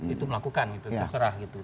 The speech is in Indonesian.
itu melakukan itu terserah